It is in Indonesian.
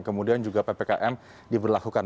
kemudian juga ppkm diberlakukan